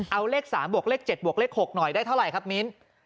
เอาเลข๓บวกเลข๗บวกเลข๖หน่อยได้เท่าไหร่ครับมิ้น